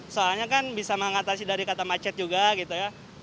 soalnya kan bisa mengatasi dari kata macet juga gitu ya